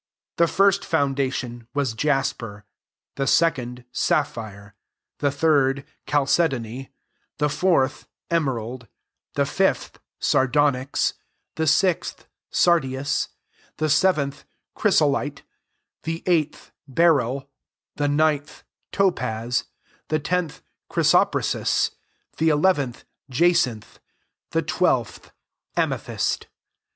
The first foundation waa jasper ; the second, sapphire ; the third, chalcedony; the fourth, eme rald ; 20 the fifth, sardonyx ; the sixth, sardius; the seventh, chrysolithe ; the eighth, beryl ; the ninth, topaz ; the tenths chrysoprasus ; the elev^ith, ja« cinth ; the twelfth, amythest.